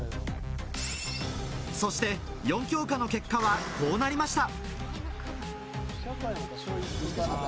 そして、４教科の結果はこうなりました。